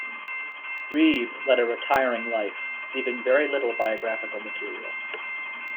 Reeve led a retiring life, leaving very little biographical material.